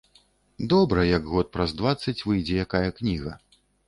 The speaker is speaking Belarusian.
Добра, як год праз дваццаць выйдзе якая кніга.